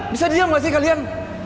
bisa diam gak sih kalian